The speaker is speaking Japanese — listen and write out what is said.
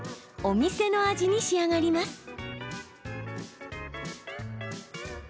お店の味に仕上がります。